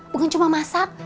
bukan cuma masak